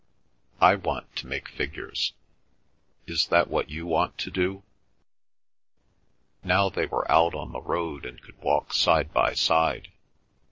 ... I want to make figures. ... Is that what you want to do?" Now they were out on the road and could walk side by side.